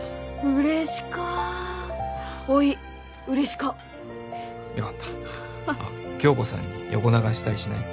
嬉しかおい嬉しかよかったあっ響子さんに横流ししたりしないでね